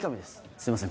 すみません